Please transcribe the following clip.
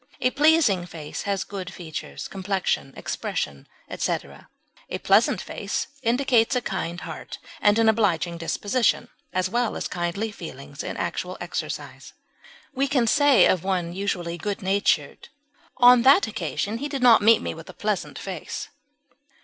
A pleasing face has good features, complexion, expression, etc.; a pleasant face indicates a kind heart and an obliging disposition, as well as kindly feelings in actual exercise; we can say of one usually good natured, "on that occasion he did not meet me with a pleasant face."